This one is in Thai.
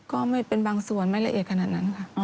ก็เป็นบางส่วนไม่ละเอียดขนาดนั้นค่ะ